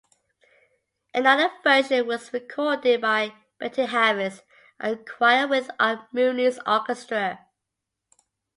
Another version was recorded by Betty Harris and a choir, with Art Mooney's Orchestra.